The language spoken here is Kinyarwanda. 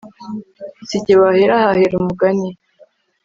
sijye wahera hahera umugani